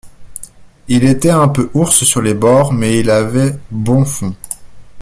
Il était un peu ours sur les bords, mais il avait bon fond.